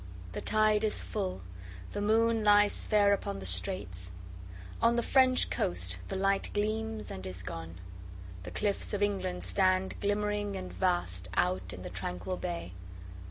The tide is full, the moon lies fairUpon the straits;—on the French coast the lightGleams and is gone; the cliffs of England stand, Glimmering and vast, out in the tranquil bay.